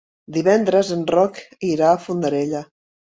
Divendres en Roc irà a Fondarella.